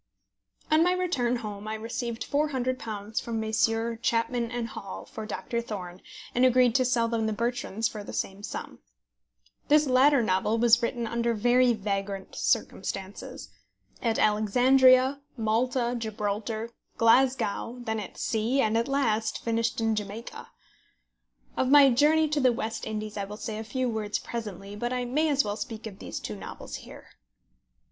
On my return home I received £400 from Messrs. Chapman & Hall for Doctor Thorne, and agreed to sell them The Bertrams for the same sum. This latter novel was written under very vagrant circumstances, at Alexandria, Malta, Gibraltar, Glasgow, then at sea, and at last finished in Jamaica. Of my journey to the West Indies I will say a few words presently, but I may as well speak of these two novels here.